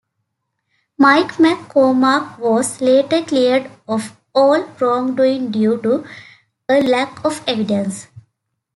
Mike McCormack was later cleared of all wrongdoing due to a lack of evidence.